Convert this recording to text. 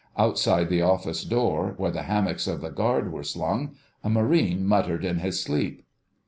Outside the Office door, where the hammocks of the guard were slung, a Marine muttered in his sleep.